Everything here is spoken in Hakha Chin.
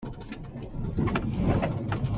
Bia cu titsa ah a cang i kan lakah khua a sa.